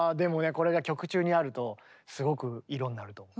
これが曲中にあるとすごく色になると思う。